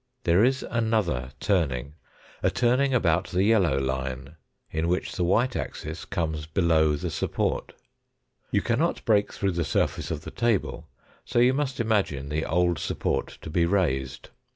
There is another turning a turning about the yellow line, in which the white axis comes below the support, You cannot break through the surface of the table, so you must imagine the old support to be raised.